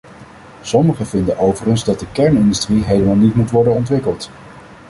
Sommigen vinden overigens dat de kernindustrie helemaal niet moet worden ontwikkeld.